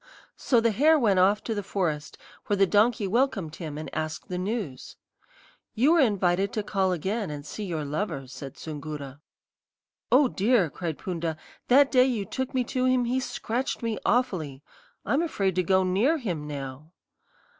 "So the hare went off to the forest, where the donkey welcomed him and asked the news. "'You are invited to call again and see your lover,' said Soongoora. "'Oh, dear!' cried Poonda; 'that day you took me to him he scratched me awfully. I'm afraid to go near him now.'